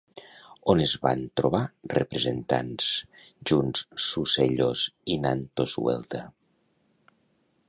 On es van trobar representats junts Sucellos i Nantosuelta?